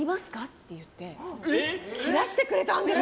って言って切らせてくれたんです。